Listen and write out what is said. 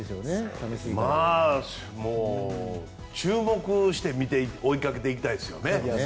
注目して追いかけていきたいですね。